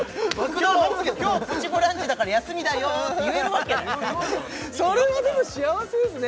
今日「プチブランチ」だから休みだよって言えるわけないそれはでも幸せですね